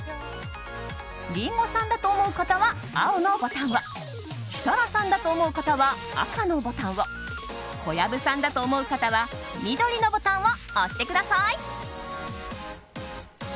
リンゴさんだと思う方は青のボタンを設楽さんだと思う方は赤のボタンを小藪さんだと思う方は緑のボタンを押してください。